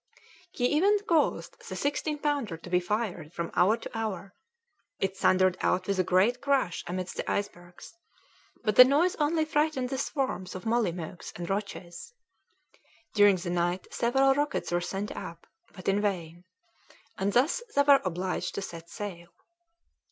He even caused the 16 pounder to be fired from hour to hour; it thundered out with a great crash amidst the icebergs, but the noise only frightened the swarms of molly mokes and rotches. During the night several rockets were sent up, but in vain. And thus they were obliged to set sail.